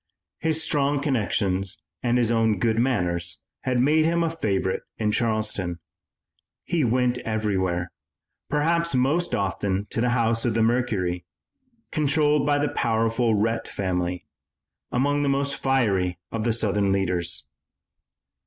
His strong connections and his own good manners had made him a favorite in Charleston. He went everywhere, perhaps most often to the office of the Mercury, controlled by the powerful Rhett family, among the most fiery of the Southern leaders.